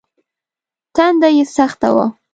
تنده يې سخته وه.